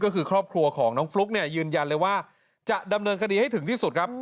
ก็คือครอบครัวของน้องฟลุ๊กเนี่ยยืนยันเลยว่าจะดำเนินคดีให้ถึงที่สุดครับ